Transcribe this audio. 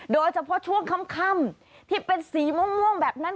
โดยเฉพาะช่วงค่ำที่เป็นสีม่วงแบบนั้น